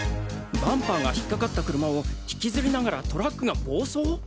バンパーが引っかかった車を引きずりながらトラックが暴走！？